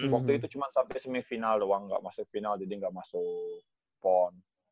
waktu itu cuma sampai semifinal doang gak masuk final jadi nggak masuk pon